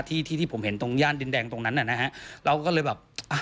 ที่ที่ผมเห็นตรงย่านดินแดงตรงนั้นน่ะนะฮะเราก็เลยแบบอ่ะ